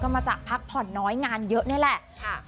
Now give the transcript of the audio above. มาจากพักผ่อนน้อยงานเยอะนี่แหละ